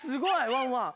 ワンワン！